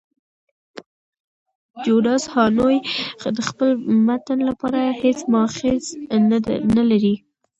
جوناس هانوې د خپل متن لپاره هیڅ مأخذ نه لري.